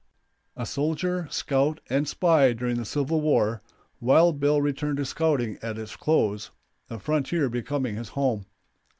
A soldier, scout, and spy during the Civil War, Wild Bill returned to scouting at its close, the frontier becoming his home.